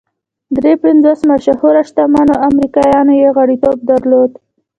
درې پنځوس مشهورو شتمنو امریکایانو یې غړیتوب درلود